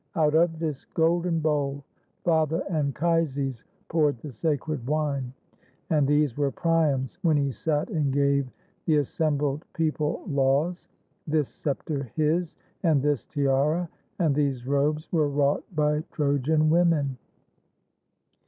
Out of this golden bowl Father Anchises poured the sacred wine. And these were Priam's, when he sat and gave The assembled people laws; this sceptre his, And this tiara; and these robes were wrought By Trojan women."